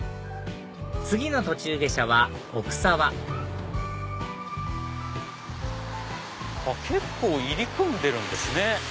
次の途中下車は奥沢結構入り組んでるんですね。